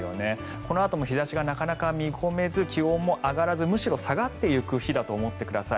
このあとも日差しがなかなか見込めず気温も上がらずむしろ下がっていく日だと思ってください。